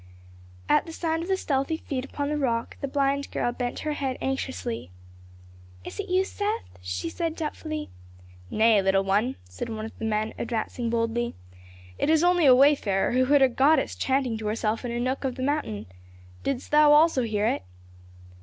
At the sound of the stealthy feet upon the rock, the blind girl bent her head anxiously. "Is it you, Seth?" she said doubtfully. "Nay, little one," said one of the men, advancing boldly, "it is only a wayfarer who heard a goddess chanting to herself in a nook of the mountain. Didst thou also hear it?"